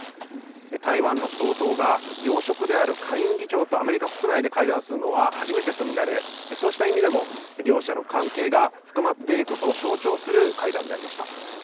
台湾の総統が要職である下院議長とアメリカ国内で会談するのは初めてと見られ、そうした意味でも、両者の関係が深まっていることを象徴する会談でありました。